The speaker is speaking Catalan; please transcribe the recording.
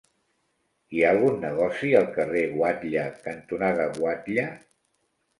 Hi ha algun negoci al carrer Guatlla cantonada Guatlla?